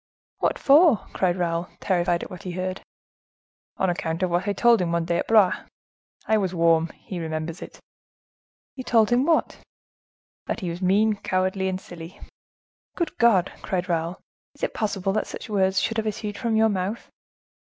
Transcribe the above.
"What for?" cried Raoul, terrified at what he heard. "On account of what I told him one day at Blois. I was warm; he remembers it." "You told him what?" "That he was mean, cowardly, and silly." "Good God!" cried Raoul, "is it possible that such words should have issued from your mouth?"